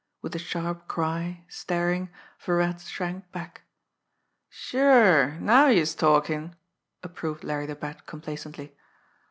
With a sharp cry, staring, Virat shrank back. "Sure! Now youse're talkin'!" approved Larry the Bat complacently.